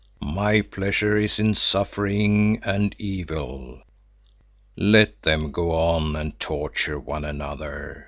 My pleasure is in suffering and evil. Let them go on and torture one another.